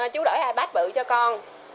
chú đổi ipad bự cho con